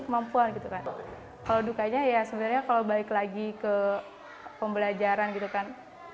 kemampuan gitu kan kalau dukanya ya sebenarnya kalau balik lagi ke pembelajaran gitu kan